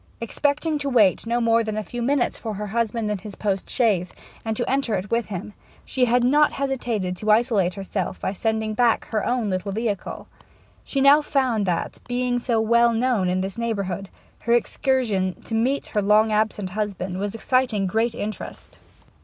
Expecting to wait no more than a few minutes for her husband in his post chaise, and to enter it with him, she had not hesitated to isolate herself by sending back her own little vehicle. She now found that, being so well known in this neighbourhood, her excursion to meet her long absent husband was exciting great interest.